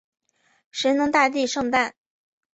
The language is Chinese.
神农大帝圣诞